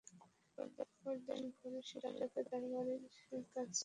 পরদিন ভোরে শিশুটিকে তার বাড়ির কাছে হলুদখেতে গুরুতর অসুস্থ অবস্থায় পাওয়া যায়।